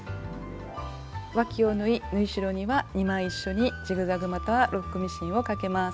わきを縫い縫い代には２枚一緒にジグザグまたはロックミシンをかけます。